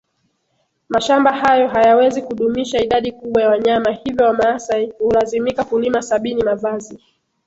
mashamba hayo hayawezi kudumisha idadi kubwa ya wanyama hivyo Wamaasai hulazimika kulima Sabini Mavazi